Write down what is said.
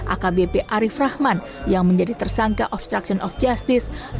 akbp arief rahman yang menjadi tersangka obstruction of justice